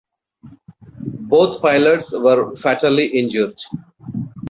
Both pilots were fatally injured.